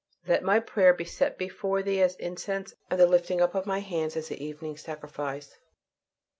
"LET MY PRAYER BE SET FORTH BEFORE THEE AS INCENSE: AND THE LIFTING UP OF MY HANDS AS THE EVENING SACRIFICE."